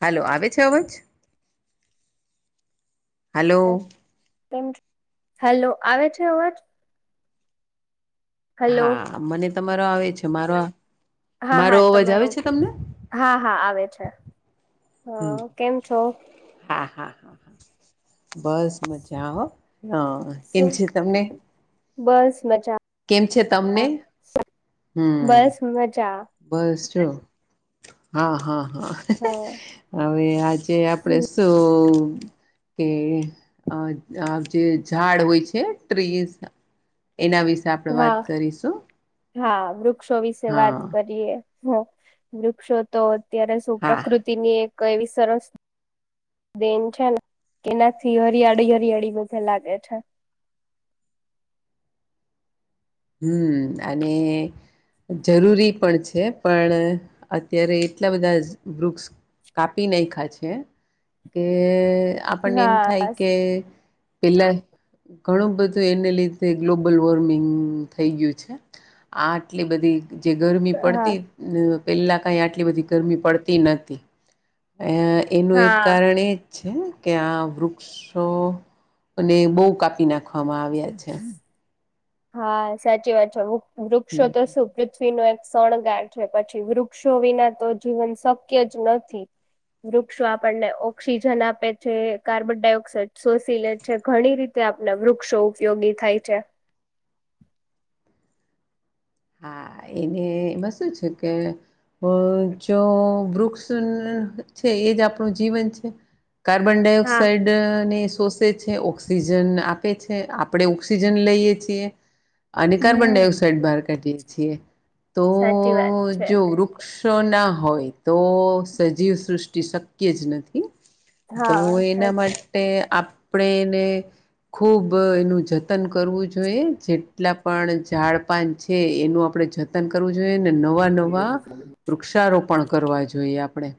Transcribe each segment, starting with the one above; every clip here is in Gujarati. હાલો આવે છે અવાજ? હાલો. હેલો આવે છે અવાજ? હલો હા મને તમારો આવે છે મારો? હા હા મારો અવાજ આવે તમારું છે તમને હા હા આવે છે. હમ હા કેમ છો? હા હા હા બસ મજા આવ હ. કેમ શું છે તમને? બસ મજા. કેમ છે, તમને હમ. બસ મજા બસ, ચ હા, હા હ હ હવે, આજે આપડે શું કે જે ઝાડ હોય છે, ટ્રીઝ એના વિશે આપણે વાત, હા કરીશું હા, વૃક્ષો વિશે વાત હા કરીએ, વૃક્ષો તો અત્યારે, શું હા પ્રકૃતિની એક એવી સરસ દેન છે, ને એનાથી હરિયાળી, હરિયાળી બધે લાગે છે. હમ, અને જરૂરી પણ છે, પણ અત્યારે એટલા બધા વૃક્ષ કાપી નાખા છે, કે આપણને એમ થાય હા કે પેલા ઘણું, બધું એને લીધે ગ્લોબલ વોર્મિંગ થઈ ગયું છે, આ આટલી બધી જે ગરમી હા પડતી. પહેલા કાઈ આટલી બધી, ગરમી પડતી નથી. એનું, એક હા કારણે છે, કે આ વૃક્ષોને, બહ કાપી નાખે ઓખવામાં આવ્યા છે. હા, સાચી વાત છેૃ. હમ વૃક્ષો તો શું નો એક શણગાર છે, પછી વૃક્ષો વિના તો જીવન શક્ય જ, નથી. વૃક્ષો આપણને ઓક્સિજન આપે છે, કાર્બન ડાયોક્સાઇડ સોસિલેટ છે, ઘણી રીતે આપને વૃક્ષો ઉપયોગી થાય છે. હા, એને એમાં શું છે, કે જો વૃક્ષ છે, એજ આપણું જીવન છે. કાર્બન હા ડાયોક્સાઇડ ને સોસ્ ઓક્સિજન આપે છે, આપણે ઓક્સિજન લઈએ છીએ. અને કાર્બન હમ ડાયોક્સાઇ, ડ બહાર કાઢીએ છીએ, તો સાચી વાત છે જો વૃક્ષ શ ના હોય, તો સજીવ સૃષ્ટિ શક્ય જ નથી. જો, હા એના સાચ- માટે આપણેને ખુબ એનું જતન કરવું જોઈએ, જેટલા પણ ઝાડપન છે. એનું આપડણે જતન કરવું જોઈએ, ને નવા નવા વૃક્ષારોપણ પણ કરવા જોઈએ, આપણે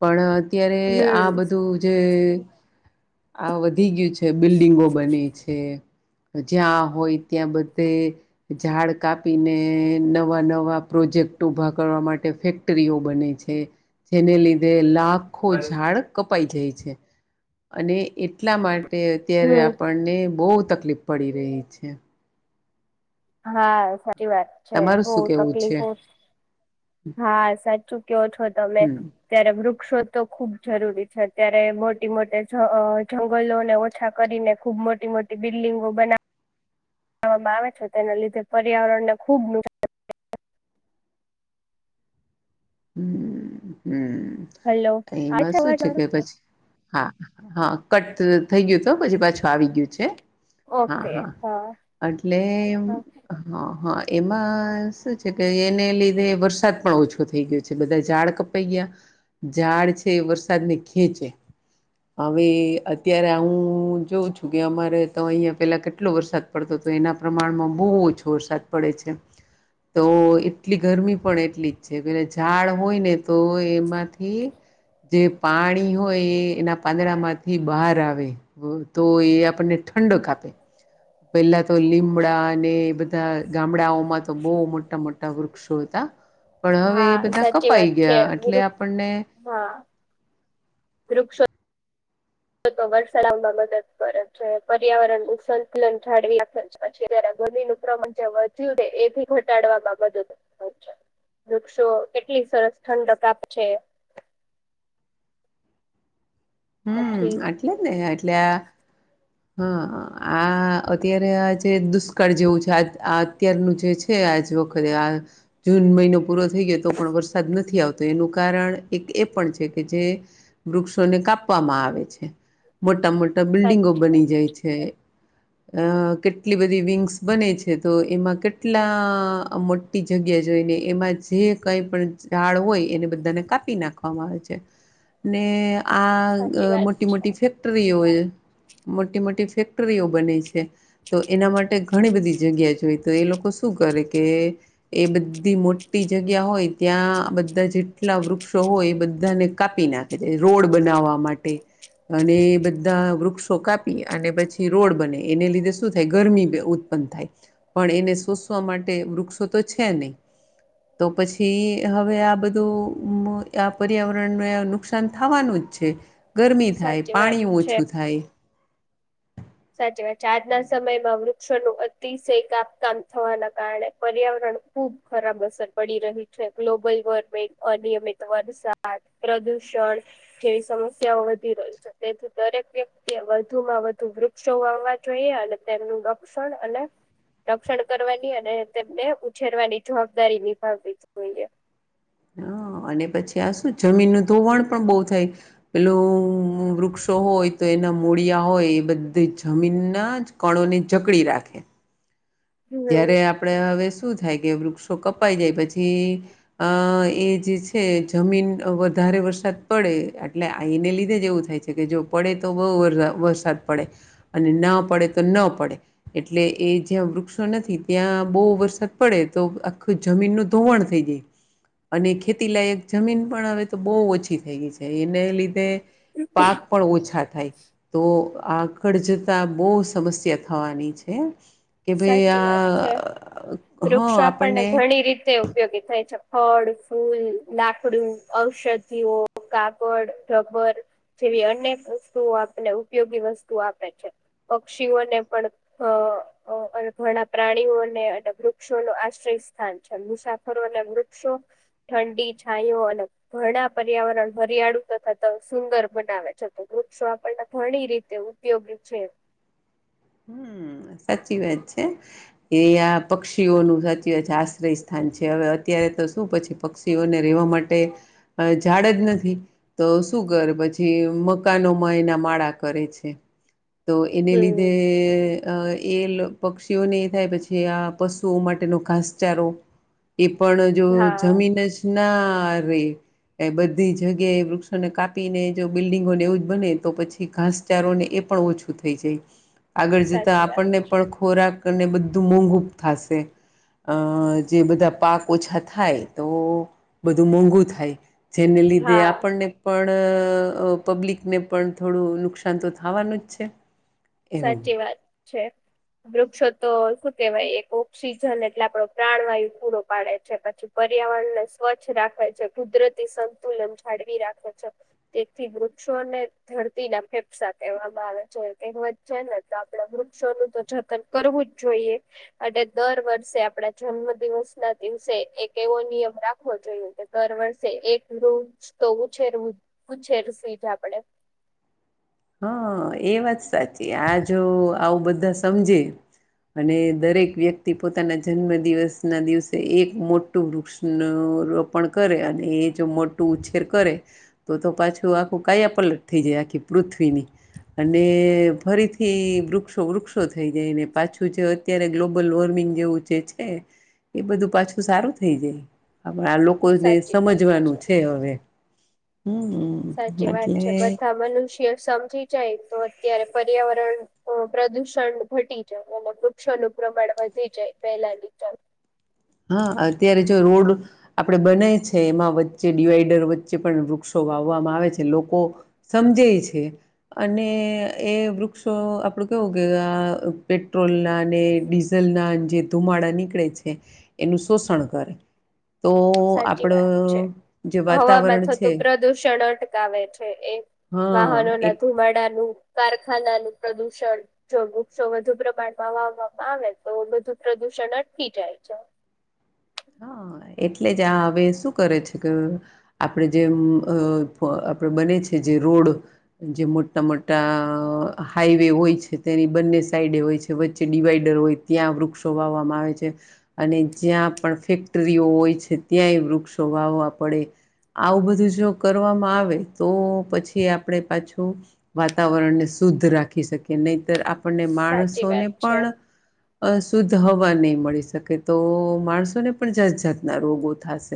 પણ અત્યારે આ હમ બધું જે આ વધી ગયું છે, બિલ્ડિંગો બને છે. જ્યાં હોય, ત્યાં બધે ઝાડ કાપીને નવા નવા પ્રોજ પ્રોજેક્ટ ઉઊભા, કરવા માટે ફેક્ટરીઓ બને છે, જેને લીધે લાખો ઝાડ કપાઈ જાય છે, અને એટલા માટે અત્યારે હમ આપણને, બહ તકલીફ પડી રહી છે. હા, સાચી વાત છે, તમારું બઉ શું કેવું છે? તકલીફો હા સાચું કયો છો, તમે હમ ત્યારે વૃ વૃક્ષો તો ખૂબ જરૂરી છે, અત્યારે મોટી મોટી જંગલોને ઓછા કરીને ખૂબ મોટી મોટી બિલ્ડિંગો બના વામાં આવે છે, તેના લીધે પર્યાવરણ ને ખુબ નુકસાન હમ, હમ નુકસાન હલો આવે એમાં શું અવાજ છે, મારો કે પછી. હા, હા કટ થઈ, ગયું તો પછી પાછું આવી ગયું છે. હા, હા એટલે હા, હા એમાં શું છે, કે એને લીધે વરસાદ પણ ઓછો થઈ ગયો છે. બધા ઝાડ કપાઈ ગયા ઝાડ છે, વરસાદ ને ખેંચે હવે અત્યારે હું, જોઉ છું, કે અમારે તો અહિયાં પેલા કેટલો વરસાદ પડતો તો એના પ્રમાણમાં બહુ, ઓછો વરસાદ પડે છે. તો એટલી ગરમી પણ એટલી જ છે. કદેજ ઝાડ હોય ને તો એમાંથી જે પાણી હોય એ એના પાંદડામાંથી બહાર આવે વો તો એ આપણને ઠંડો કાપે. પેલા તો લીમડા ને બધ ધા ગામડાઓમાં તો બહુ મોટા મોટા વૃક્ષો હતા પણ હવે હા એ બધા સાચી કપાઈ વાત છે ગયા એટલે વૃક આપણને હા વૃક્ષો તો વરસાલાવામાં મદદ કરે છે. પર્યાવરણ નું સંતુલન જાળવી રાખે છે છી [inaudible] ગરમી નું પ્રમણ જે વધ્યું છે એબી ઘટાડવામાં બધું [inaudible] વૃક્ષો કેટલી સરસ ઠંડક આપ છે. હમ્મ પછી આટલે ને એટલે આ હા આ અત્યારે આજ તે દુષ્કાળ જેવું છે. આજ અત્યારનું જે છે આજ વખતે આ જૂન મહિનો પૂરો થઈ યે તો પણ વરસાદ નથી આવતો એનું કારણ એક એ પણ છે કે જે વૃક્ષોને કાપવા માં આવે છે. મોટા મોટા બિલ્ડિંગો સાચી વાત બની અહ કેટલી બધી વિંગ્સ બને છે તો એમાં કેટલા મોટી જગ ગ્યા જોઈ ને એમાં જે કઈ પણ ઝાડ હોય એને બધાને કાપી નાખવામાં આવે છે. ને આ સાચી અહ વાત મોટી છે મોટી ફેક્ટરીઓએ મોટી મોટી ફેક ટ્રીઓ બને છે, તો એના માટે ઘણી બધી જગ્યા જોઈ તો એ લોકો શું કરે કે એ બ ધી મોટી જગ્યા હોય ત્યાં બધા જેટલા વૃક્ષો હોય એ બધાને કાપી નાખે તે રોડ બનાવવા માટે અને બધા વૃક્ષ ઓ કાપી અને પછી રોડ બને એને લીધે શું થાય ગરમી ઉત્પન્ન થાય પણ એને શુશ વા માટે વૃક્ષો તો છે નહી તો પછી હવે આ બધું અમ્મ આ પર્યાવરણનું નુકસાન થાવાનું છે. ગરમી થાય, સાચી વાત પાણી છે ઓછું થાય સાચી વાત છે. આજના સમયમાં વૃક્ષોનું અતિશય કાપકામ થવાના કારણે પર્યાવરણ પણ ખૂબ ખરાબ અસર પડી રહી છે ગ્લોબલ વોર્મિંગ અનિયમિત વરસાદ પ્રદ ષણ જેવી સમસ્યાઓ વધી રહ્યું છે તેથી દરેક વ્યક્તિ વધુમાં વધુ વૃ ક્ષો વાવવા જોઈએ અને તેમનું રક્ષણ અને રક્ષણ કરવાની અને તેમને ઉછેરવાની જવાબદારી નિભાવવી જોઈએ. હા અને પછી આ શું જમીનનું તો વણ પણ બહુ થાય પેલું વૃક્ષો હોય તો એના મૂળિયા હોય એ બધી જમીનના જ કણોને જકડી રાખે હમ જયારે આપડે હવે શું થાય કે વૃક્ષો કપાઈ જાય પછી અહ એ જે છે જમીન વધારે વરસાદ પડે આટલે આ એને લીધે જ એવું થાય છે કે જો પડે તો બહુ વર-વરસાદ પડે અને ના પડે તો ન પડે એટલે એ જ્યાં વૃક્ષ ક્ષો નથી ત્યાં બહુ વરસાદ પડે તો આખું જમીન નું ધોવાણ થઈ દઈ અને ખેતી લયક જમીન પણ હવે તો બહુ ઓછ છી થઈ ગઈ છે. એને લીધે પાક પણ ઓછા થાય તો આ કળ જતા બહુ સમસ્યા થવાની છે. કે ભાઈ સાચી વાત છે. આ હા વૃક્ષા આપણને ઘણી રીતે ઉપયોગી થાય છ ફળ, ફૂલ, લાકડું, ઔષધિઓ, કાગડ, રબર જેવી અનેક વસ્તુઓ આપને ઉપયોગી વસ્તુઓ આપે છે. પક્ષીઓને પણ હ અહ અને ઘણા પ્રાણીઓને અને વૃક્ષો નો આશ્રય સ્થાન છે મુસાફરો અને વૃક્ષો ઠંડી છાયયો અને ઘણા પર્યાવરણ હરિયાળુ તથા ત સુંદર બનાવે છે. તો તો વૃક્ષો આપણને ઘણી રીતે ઉપયોગી છે. હમ્મ. હા સાચી વાત છે એ આ પક્ષીઓનું સાચી વાત છે આશ્રય સ્થાન છે. હવે અત્યાર ત્યારે તો શું પછી પક્ષીઓને રહેવા માટે અ ઝાડ જ નથી તો શું કરે પછી મકાનોમાં એના માળા કરે છે [inaudible] તો એને લીધે હમ અ એ પક્ષીઓને એ થાય પછી આ પશુઓ માટેનો ઘાસચારો એ પણ જો હા જમીન જ નારે એ બધી જગ્યાએ વૃક્ષોને કાપીને જો બિલ્ડિંગો ને એવું જ બને તો પછી ઘાસચારો ને ઓછું થઈ જાય આગળ જતા સાચી વાત આપણને છે પણ ખોરાક અને બધું મોઘ થાય પાસે અ જે બધા પાક ઓછા થાય તો બધું મોંઘું થાય જેને લીધે હા આપણને પણ પબ્લિકને પણ થોડું નુકસાન તો થવાનું જ છે એવું સાચી વાત છે વૃક્ષો તો શું કેવાય એક ઓક્સિજન એટલે આપણો પ્રાણવાયુ પૂરો પાડે છે પછી પર્યાવરણને સ્વચછ રાખે છે કુદરતી સંતુલન જાળવી રાખે છે તેથી વૃક્ષ ને ધરતી ના ફેફસા કહેવામાં આવે છે કેવત છે ને તો આપડે વૃક્ષો નું તો જતન કરવું જ જોઈએ દર વર્ષે આપડા જન્મ દિવસ ના દિવસે એક એવો નિયમ રાખવો જોઈએ કે દર વર્ષે એક વૃક્ષ તો ઉછેર ઉછેર સેજ આપડે હા એ વાત સાચી આ જો આવું બધા સમજે અને દરેક વ્યક્તિ પોતાના જન્મ દિવસ ના દિવસે એક મોટું વૃક્ષનું રોપણ કરે અને એ જો મોટું ઉછેર કરે તો તો પાછું આખું કાયા પલટ થઈ જાય આખી પૃથ્વીની અને ફરીથી વૃક્ષો વૃક્ષોથી થઈ જાય ને પાછું જે અત્યારે ગ્લોબ લ વોર્મિંગ જેચે છે એ બધું પાછું સારું થઈ જાય આપણા લોકોને સાચી વાત સમજવાનું છે હવે હમ સાચી વાત છે એટલે બધા મનુષ્ય સમજી જાય તો અત્યારે પર્યાવરણ પ્રદુષણ ઘટી જાય અને વૃક્ષોનું પ્રમાણે વધી જાય પેલા ની ચાલ હા અત્યારે જો રોડ આપડે બનાય છે એમાં વચ્ચે ડિવાઈડર વચ્ચે પણ વૃક્ષો વાવવામાં આવે છે લોકો સમજે છે અને એ વૃક્ષો આપ આપડ કેવ કે આ પેટ્રોલ ના અને ડીઝલ ના જે ધુમાડા નીકળે છે પ્રદુષણ કરે તો સાચી આપડો વાત છે જે હવામાં વાતાવરણ થતું છે પ્રદુષણ અટકાવે છે એ હા વાહનો એ ના ધુંમાડાનું કારખાના નું પ્રદુષણ જો વૃક્ષો વધુ પ્રમાણમાં વાવવામાં આવે તો બધું પ્રદુષણ અટકી જાય છે હા એટલે જ આ હવે શું કરે છે કે આપણે જેમ આપડે બને છે જે રોડ જે મોટા મોટા હાઈવે હોય છે તેની બંને સાઈડે હોય વચ્ચે ડિવાઈડર હોય ત્યાં વૃક્ષો વાવવામાં આવે છે અને જ્યાં પણ ફેક્ટરીઓ હોય છે ત્યાંય વૃક્ષો વાહવા પડે આવું બધું જો કરવામાં આવે તો પછી આપણેે પાછું વાતાવરણને શુદ્ધ રાખી શકી નહીતર આપણને સાચી વાત માણસોને છે પણ અ શુદ્ધ હવા નહી મળી શકે તો માણસોને પણ જાત જાાતના રોગો થશે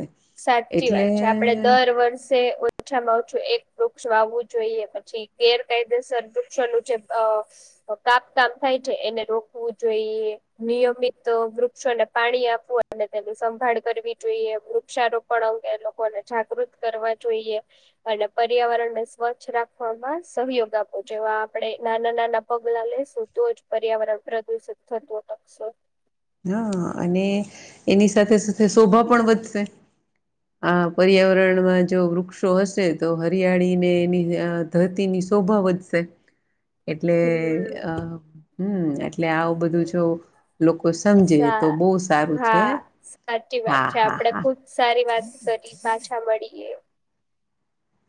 સાચી વાત છે આપડે દર વર્ષે ઓછામાં એક વૃક્ષ વાવું જોઈએ પછી ગેરકાયદેસર વૃક્ષોનું જે કાપ કામ થાય છે એને રોકવું જોઈએ નિયમિત વૃક્ષોને પાણી આપવું અને સંભાળ કરવી જોઈએ વૃક્ષારોપણ અંગે લોકોને જાગૃત કરવા જોઈએ અને પર્યાવરણને સ્વચ્છ રાખવા સહયોગ આપો જેવા આપણેે નાના નાના પગલા લેસુું તો જ પર્યાવરણ પ્રદુષણ [unintelligible] હા, અને એની સાથે, સાથે શોભા પણ વધશે આ પર્યાવરણમાં જો વૃક્ષો, હશે તો હરિયાળીને એની ધરતીની શોભા વધશે. એટલે હમ અ હમ, એટલે આવું બધું જો લોકો સમજે સા તો બહુ સારું હા છે સાચી વાત હા છે, હા આપડે હા ખુબ સારી વાત કરી, પાછા મળીએ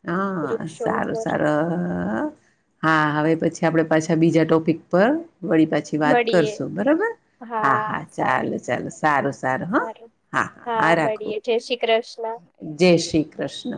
હા, વૃક્ષો સારું, ઉપર સારું હા, હવે પછી આપડે પાછા બીજા ટોપિક પર વળી પાછી, વાત મળીએ કરશું બરાબર હા, હા ચલેો, ચાલો સારું સારું હા હા, મળીએે જય શ્રી કૃષ્ણ. જય શ્રી કૃષ્ણ.